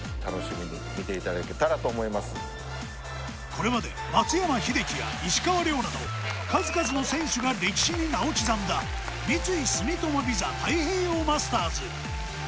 これまで松山英樹や石川遼など、数々の選手が歴史に名を刻んだ三井住友ＶＩＳＡ太平洋マスターズ。